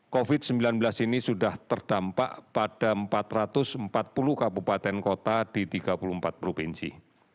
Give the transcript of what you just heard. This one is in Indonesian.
covid sembilan belas ini sudah terdampak pada empat ratus empat puluh kabupaten kota di tiga puluh empat provinsi